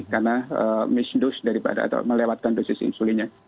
karena misdose daripada atau melewatkan dosis insulinnya